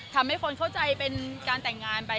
ทำให้คนเข้าใจเป็นการแต่งงานไป